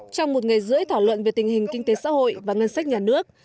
trong một ngày rưỡi thảo luận về tình hình kinh tế xã hội và ngân sách nhà nước